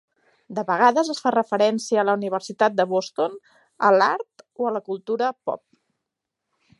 De vegades es fa referència a la Universitat de Boston a l"art o a la cultura pop.